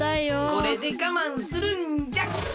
これでがまんするんじゃ！